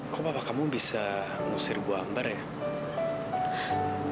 kok papa kamu bisa ngusir bu ambar ya